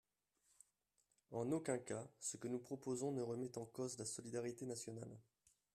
En aucun cas ce que nous proposons ne remet en cause la solidarité nationale.